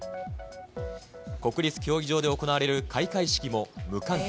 国立競技場で行われる開会式も無観客。